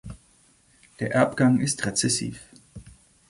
Der Erbgang ist rezessiv.